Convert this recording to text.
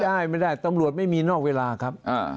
ไม่ได้ไม่ได้ตำรวจไม่มีนอกเวลาครับ